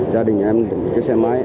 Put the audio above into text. gia đình em một chiếc xe máy